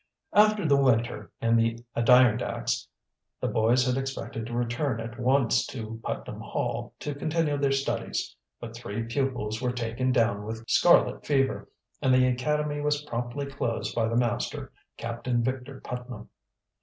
After the winter in the Adirondacks, the boys had expected to return at once to Putnam Hall to continue their studies. But three pupils were taken down with scarlet fever, and the academy was promptly closed by the master, Captain Victor Putnam.